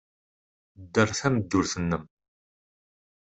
Dder tameddurt-nnem.